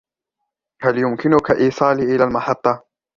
هل يمكنك إيصالي إلى المحطة ؟